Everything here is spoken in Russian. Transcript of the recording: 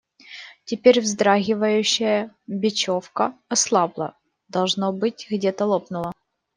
Теперь вздрагивающая бечевка ослабла – должно быть, где-то лопнула.